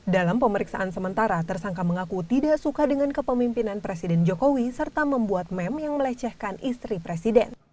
dalam pemeriksaan sementara tersangka mengaku tidak suka dengan kepemimpinan presiden jokowi serta membuat meme yang melecehkan istri presiden